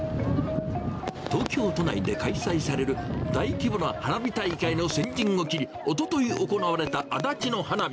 東京都内で開催される、大規模な花火大会の先陣を切り、おととい行われた足立の花火。